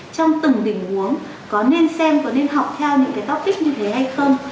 trong từng tình huống có nên xem có nên học theo những cái topic như thế hay không